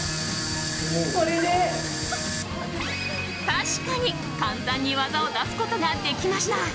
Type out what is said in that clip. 確かに、簡単に技を出すことができました。